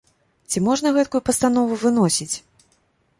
Ці можна гэткую пастанову выносіць?